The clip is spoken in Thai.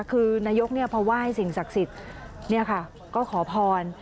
คือนายกพอไหว้สิ่งศักดิ์สิทธิ์ก็ขอพร